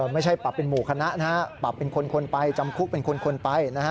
ไม่ใช่ปรับเป็นหมู่คณะนะฮะปรับเป็นคนไปจำคุกเป็นคนไปนะฮะ